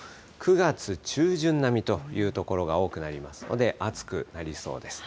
９月中旬並みという所が多くなりますので、暑くなりそうです。